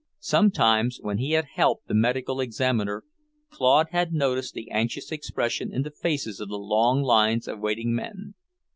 Sometimes, when he had helped the medical examiner, Claude had noticed the anxious expression in the faces of the long lines of waiting men.